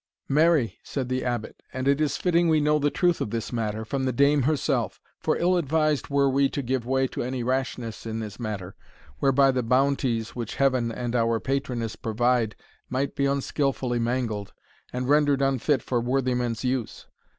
"Marry," said the Abbot, "and it is fitting we know the truth of this matter from the dame herself; for ill advised were we to give way to any rashness in this matter, whereby the bounties which Heaven and our patroness provide might be unskilfully mangled, and rendered unfit for worthy men's use.